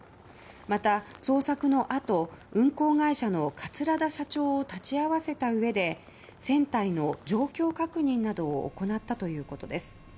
また、捜索のあと運航会社の桂田社長を立ち会わせたうえで船体の状況確認などを行ったということです。